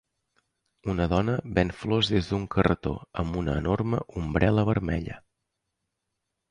Una dona ven flors des d'un carretó amb una enorme ombrel·la vermella.